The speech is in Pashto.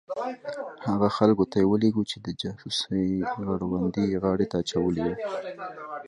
هغو خلکو ته یې ولېږو چې د جاسوسۍ غړوندی یې غاړې ته اچولي وو.